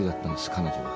彼女は。